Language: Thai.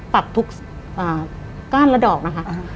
ปรับทุกก้านและดอกนะคะ